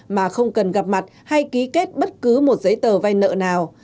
mà không cần gặp mặt hay ký kết bất cứ một giấy tờ vay nợ nào